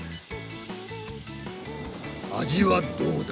味はどうだ？